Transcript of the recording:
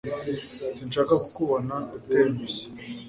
sinshaka kukubona utengushye